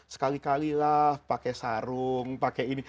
sekali kalilah pakai sarung pakai ini